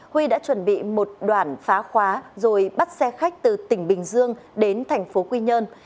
huy đã chuẩn bị một đoạn phá khóa rồi bắt xe khách từ tỉnh bình dương đến thành phố quy nhơn